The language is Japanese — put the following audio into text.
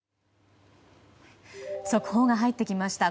速報が入ってきました。